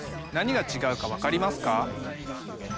何が違うか分かりますか？